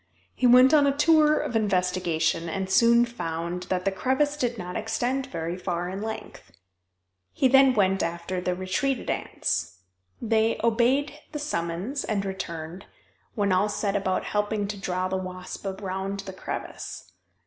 He went on a tour of investigation, and soon found that the crevice did not extend very far in length. He then went after the retreated ants. They obeyed the summons and returned, when all set about helping to draw the wasp around the crevice.